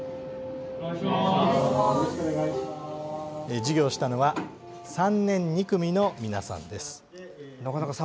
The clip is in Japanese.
授業をしたのは３年２組の皆さんです。